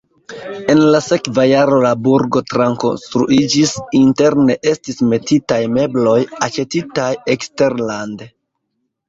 En la sekva jaro la burgo trakonstruiĝis, interne estis metitaj mebloj aĉetitaj eksterlande.